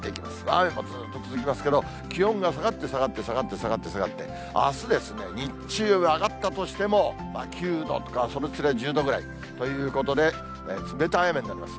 雨もずっと続きますけど、気温が下がって下がって下がって下がって、あすですね、日中、上がったとしても、９度とか、１０度ぐらい、ということで、冷たい雨になります。